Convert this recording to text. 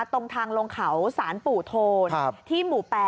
ตรงทางลงเขาสารปู่โทนที่หมู่๘